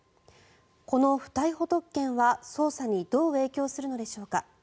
この不逮捕特権は捜査にどう影響するのでしょうか。